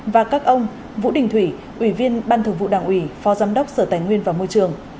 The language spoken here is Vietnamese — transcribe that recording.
và các ông vũ đình thủy ủy viên ban thường vụ đảng ủy phó giám đốc sở tài nguyên và môi trường